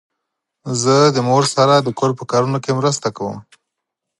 زه د مور سره د کور په کارونو کې مرسته کوم.